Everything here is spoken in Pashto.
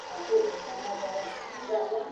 د زړه شریانونه یې پاک سوتره شي.